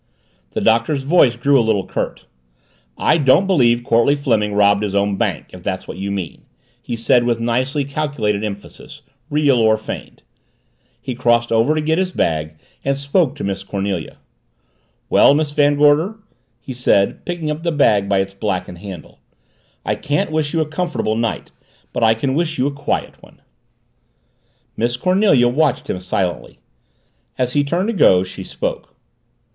The Doctor's voice grew a little curt. "I don't believe Courtleigh Fleming robbed his own bank, if that's what you mean," he said with nicely calculated emphasis, real or feigned. He crossed over to get his bag and spoke to Miss Cornelia. "Well, Miss Van Gorder," he said, picking up the bag by its blackened handle, "I can't wish you a comfortable night but I can wish you a quiet one." Miss Cornelia watched him silently. As he turned to go, she spoke.